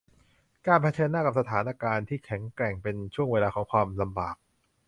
การเผชิญหน้ากับสถานการณ์ที่แข็งแกร่งเป็นช่วงเวลาของความลำบาก